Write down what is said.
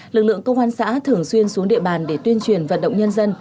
lực lượng công an xã thường xuyên xuống địa bàn để tuyên truyền vận động nhân dân